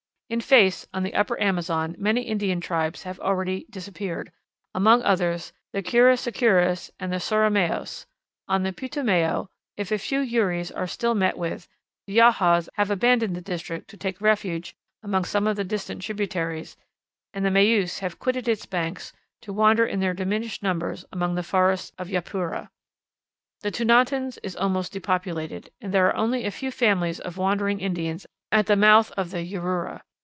In face, on the Upper Amazon many Indian tribes have already disappeared, among others the Curicicurus and the Sorimaos. On the Putumayo, if a few Yuris are still met with, the Yahuas have abandoned the district to take refuge among some of the distant tributaries, and the Maoos have quitted its banks to wander in their diminished numbers among the forests of Japura. The Tunantins is almost depopulated, and there are only a few families of wandering Indians at the mouth of the Jurua.